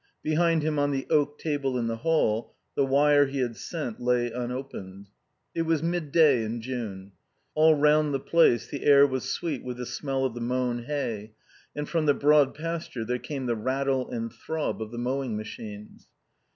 Behind him on the oak table in the hall the wire he had sent lay unopened. It was midday in June. All round the place the air was sweet with the smell of the mown hay, and from the Broad Pasture there came the rattle and throb of the mowing machines.